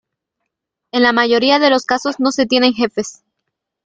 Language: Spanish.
En la mayoría de los casos no se tienen jefes.